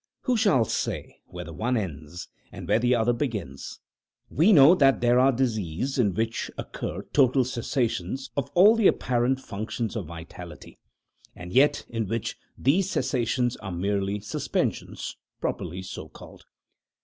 Who shall say where the one ends, and where the other begins? We know that there are diseases in which occur total cessations of all the apparent functions of vitality, and yet in which these cessations are merely suspensions, properly so called.